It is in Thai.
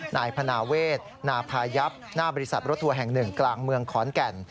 นายพนาเวทนาพายับหน้าบริษัทรถทัวร์แห่งหนึ่งกลางเมืองขอนแก่น